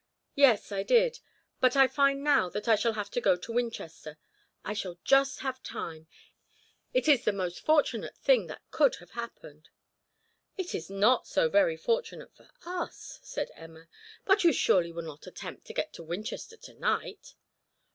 "Yes, I did, but I find now that I shall have to go to Winchester; I shall just have time; it is the most fortunate thing that could have happened." "It is not very fortunate for us," said Emma. "But you surely will not attempt to get to Winchester to night?"